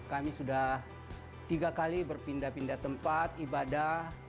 kami sudah tiga kali berpindah pindah tempat ibadah